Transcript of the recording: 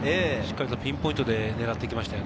ピンポイントで狙ってきました。